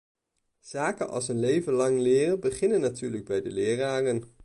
Zaken als een leven lang leren beginnen natuurlijk bij de leraren.